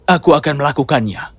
aku akan melakukannya